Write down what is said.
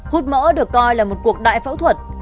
hút mỡ được coi là một cuộc đại phẫu thuật